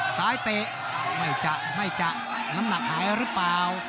สายเตะไม่จะน้ำหนักหายหรือเปล่า